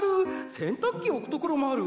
洗濯機置くところもある。